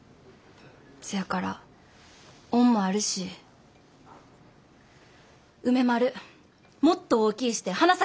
そやから恩もあるし梅丸もっと大きいして花咲